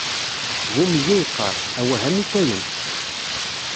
Bu meyya iqqaṛ: awah a mitayen!